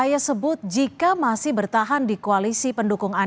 ya selamat sore sintia